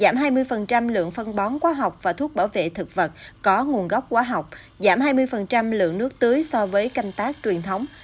giảm hai mươi lượng phân bón quá học và thuốc bảo vệ thực vật có nguồn gốc quá học giảm hai mươi lượng nước tưới so với canh tác truyền thống